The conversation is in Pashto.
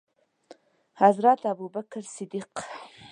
حضرت ابوبکر صدیق